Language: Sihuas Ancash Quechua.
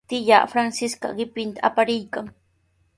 Tiyaa Francisca qipinta apariykan.